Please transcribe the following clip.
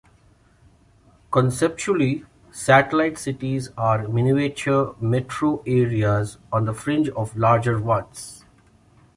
Conceptually, satellite cities are miniature metro areas on the fringe of larger ones.